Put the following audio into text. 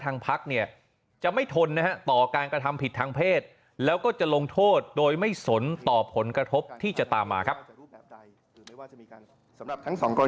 พักเนี่ยจะไม่ทนนะฮะต่อการกระทำผิดทางเพศแล้วก็จะลงโทษโดยไม่สนต่อผลกระทบที่จะตามมาครับ